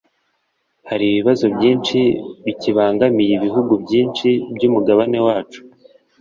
Hari ibibazo byinshi bikibangamiye ibihugu byinshi by’umugabane wacu